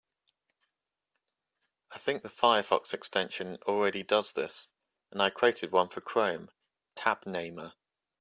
I think the Firefox extension already does this, and I created one for Chrome, Tab Namer.